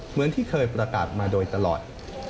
เหมือนที่เคยประกาศมาโดยตลอด